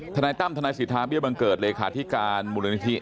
ทนายตั้มทนายศิริษฐะเบี้ยวบังเกิร์ตเวคาะธิการมูลนิธิ